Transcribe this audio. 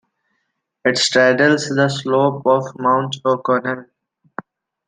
It straddles the slopes of Mount O'Connell.